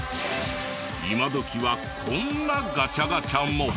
今どきはこんなガチャガチャも。